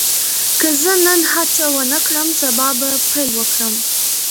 که زه نن هڅه ونه کړم، سبا به پیل وکړم.